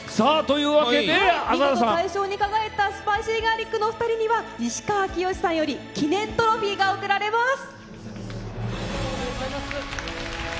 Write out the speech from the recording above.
見事、大賞に輝いたスパイシーガーリックのお二人に西川きよしさんより記念トロフィーが贈られます。